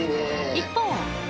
一方。